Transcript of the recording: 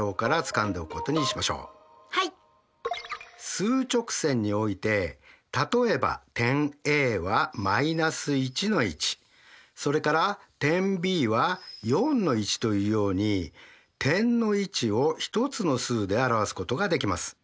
数直線において例えば点Ａは−１の位置それから点Ｂは４の位置というように点の位置を１つの数で表すことができます。